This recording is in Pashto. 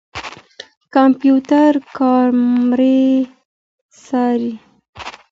کمپيوټر کامرې څاري.